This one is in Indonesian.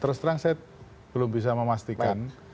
terus terang saya belum bisa memastikan